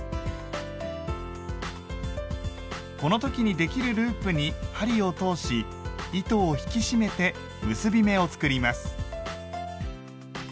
この時にできるループに針を通し糸を引き締めて結び目を作ります。